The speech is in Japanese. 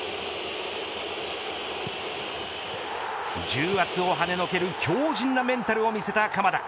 重圧をはねのける強靱なメンタルを見せた鎌田。